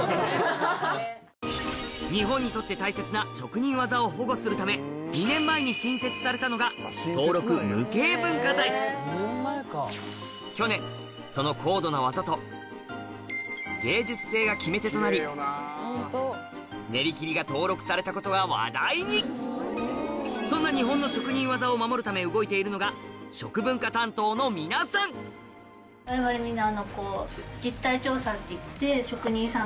日本にとって大切な職人技を保護するため去年その高度な技と芸術性が決め手となり煉切が登録されたことが話題にそんな日本の職人技を守るため動いているのが食文化担当の皆さん我々みんな。